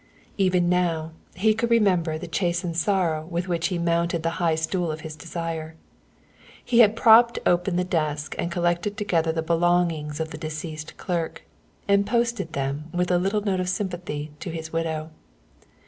Even now he could remember the chastened sorrow with which he mounted the high stool of his desire. He had propped open the desk and collected together the belongings of the deceased clerk, and posted them with a little note of sympathy to his widow.